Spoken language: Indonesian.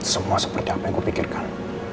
semua seperti apa yang gue pikirkan